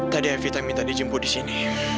tadi evita minta dijemput di sini